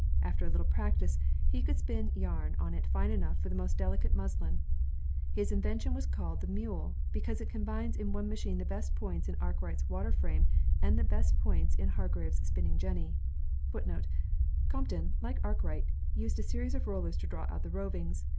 After a little practice, he could spin yarn on it fine enough for the most delicate muslin. His invention is called the mule, because it combines in one machine the best points in Arkwright's water frame and the best points in Hargreaves' spinning jenny.* Be * Crompton, like Arkwright, used a series of rollers to draw out the lovings.